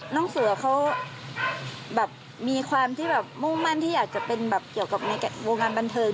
น้องเสือเขามีความมุ่งมั่นที่อยากจะเป็นเกี่ยวกับวงการบันเทิง